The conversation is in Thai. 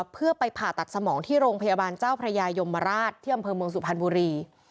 เพื่อไปผ่าตัดสมองที่โรงพยาบาลเจ้าพระยายมราชที่อำเภอเมืองสุพรรณบุรี